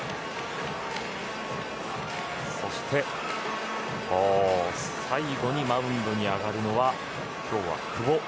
そして最後にマウンドに上がるのは今日は久保。